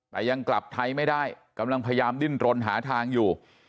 แต่ยังกลับไทยไม่ได้กำลังพยายามดิ้นรนหาทางอยู่